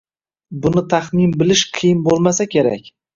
Buni taxmin bilish qiyin bo'lmasa kerak.